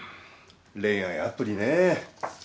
恋愛アプリねぇ。